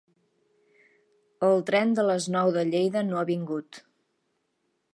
El tren de les nou de Lleida no ha vingut.